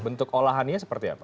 bentuk olahannya seperti apa